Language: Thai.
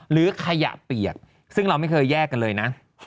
หรือขยะเปียกซึ่งเราไม่เคยแยกกันเลยนะ